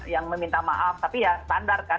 yang meminta maaf tapi ya standar kan